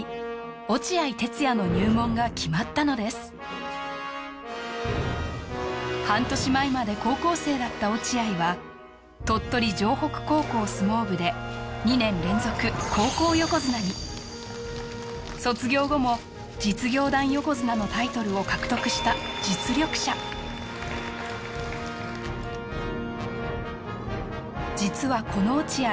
落合哲也の入門が決まったのです半年前まで高校生だった落合は鳥取城北高校相撲部でのタイトルを獲得した実力者実はこの落合